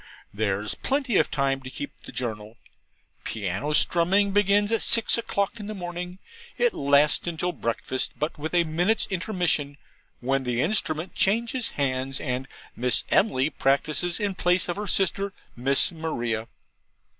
There's plenty of time to keep the Journal. Piano strumming begins at six o'clock in the morning; it lasts till breakfast, with but a minute's intermission, when the instrument changes hands, and Miss Emily practises in place of her sister Miss Maria.